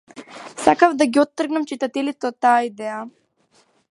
Сакаав да ги оттргнам читателите од таа идеја.